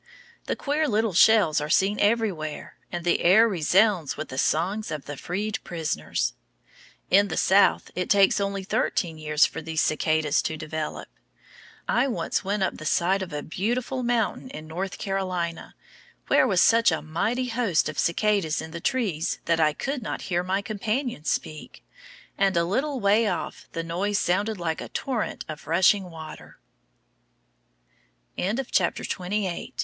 The queer little shells are seen everywhere, and the air resounds with the songs of the freed prisoners. In the South it takes only thirteen years for these cicadas to develop. I once went up the side of a beautiful mountain in North Carolina, where was such a mighty host of cicadas in the trees that I could not hear my companion speak, and a little way off the noise sounded like a torre